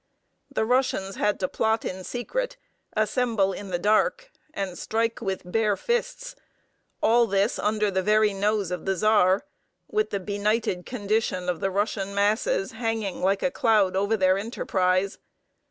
The Russians had to plot in secret, assemble in the dark, and strike with bare fists; all this under the very nose of the Czar, with the benighted condition of the Russian masses hanging like a cloud over their enterprise.